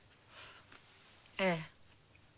ええ。